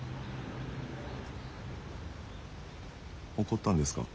怒ったんですか？